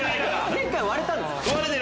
前回割れたんだ。